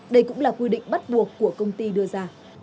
đây cũng là quy định bắt buộc của công ty đưa ra